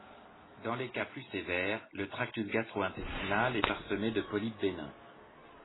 Dans les cas plus sévères, le tractus gastro-intestinal est parsemé de polypes bénins.